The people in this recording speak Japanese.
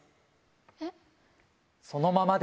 えっ？